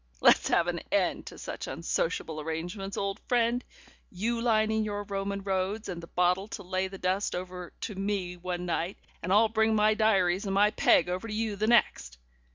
Let's have an end to such unsociable arrangements, old friend; you lining your Roman roads and the bottle to lay the dust over to me one night, and I'll bring my diaries and my peg over to you the next.